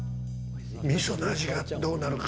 みその味がどうなのか。